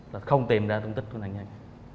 là không tìm ra thông tích của nạn nhân